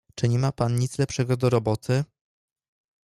"Czy nie ma pan nic lepszego do roboty?"